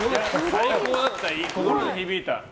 最高だった、響いた。